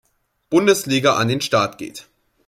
Bundesliga an den Start geht.